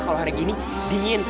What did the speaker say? kalau hari gini dingin